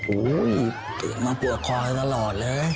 โอ้โฮตื่นมาปวดคอยตลอดเลย